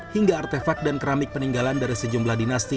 hingga artefak dan keramik peninggalan dari sejumlah dinasti